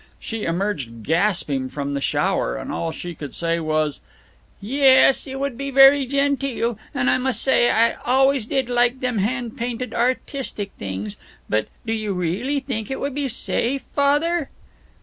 She emerged gasping from the shower, and all she could say was: "Yes: it would be very genteel. And I must say I always did like them hand painted artistic things. But do you really think it would be safe, Father?"